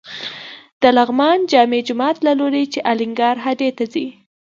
د لغمان جامع جومات له لوري چې الینګار هډې ته ځې.